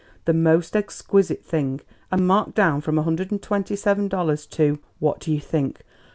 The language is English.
The most exquisite thing, and marked down from a hundred and twenty seven dollars to what do you think?